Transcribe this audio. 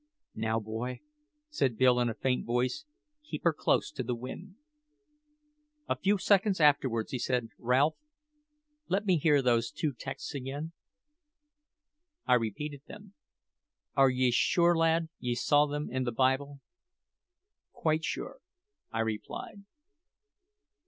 "Now, boy," said Bill in a faint voice, "keep her close to the wind." A few seconds afterwards he said, "Ralph, let me hear those two texts again." I repeated them. "Are ye sure, lad, ye saw them in the Bible?" "Quite sure," I replied.